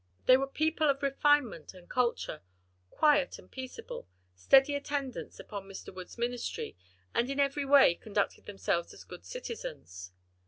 They were people of refinement and culture, quiet and peaceable, steady attendants upon Mr. Wood's ministry, and in every way conducted themselves as good citizens.